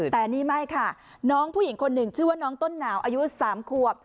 แต่นี่ไม่ค่ะน้องผู้หญิงคนหนึ่งชื่อว่าน้องต้นหนาวอายุ๓ขวบ